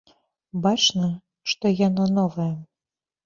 Бачна, што яно новае.